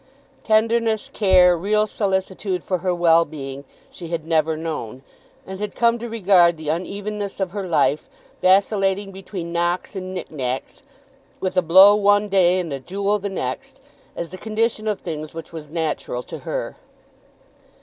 Tenderness, care, real solicitude for her well being, she had never known, and had come to regard the unevenness of her life, vacillating between knocks and knick knacks, with a blow one day and a jewel the next, as the condition of things which was natural to her.